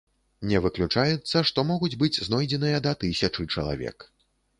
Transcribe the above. Не выключаецца, што могуць быць знойдзеныя да тысячы чалавек.